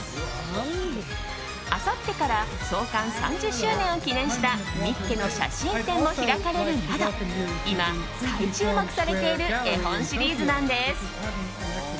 あさってから創刊３０周年を記念した「ミッケ！」の写真展も開かれるなど今、再注目されている絵本シリーズなんです。